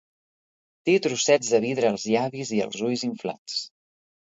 Té trossets de vidre als llavis i els ulls inflats.